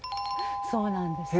そうなんです。